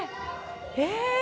え？